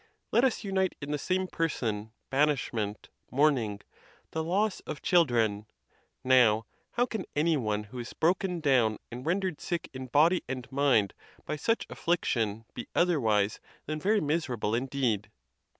Let us unite in the same person banishment, mourning, the loss of children; now, how can any one who is broken down and rendered sick in body and mind by such af fliction be otherwise than very miserable indeed?